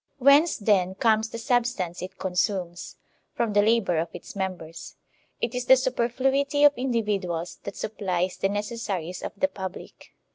Whence, then, comes the substance it consumes ? From the labor of its mem bers. It is the superfluity of individuals that supplies the necessaries of the public.